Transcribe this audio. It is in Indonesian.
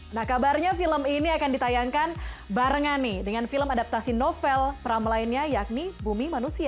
nah kabarnya film ini akan ditayangkan barengan nih dengan film adaptasi novel pram lainnya yakni bumi manusia